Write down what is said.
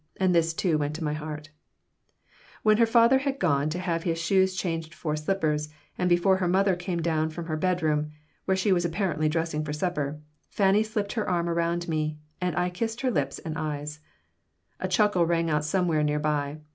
And this, too, went to my heart When her father had gone to have his shoes changed for slippers and before her mother came down from her bedroom, where she was apparently dressing for supper, Fanny slipped her arm around me and I kissed her lips and eyes A chuckle rang out somewhere near by.